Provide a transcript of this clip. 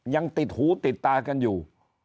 ยังติดหูติดตากันอยู่